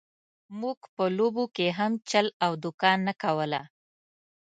موږ په لوبو کې هم چل او دوکه نه کوله.